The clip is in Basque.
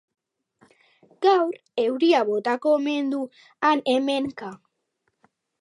Gaur euria botako omen du han-hemenka.